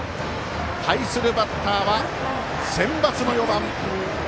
対するバッターはセンバツの４番。